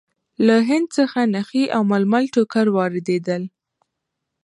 له هند څخه نخي او ململ ټوکر واردېدل.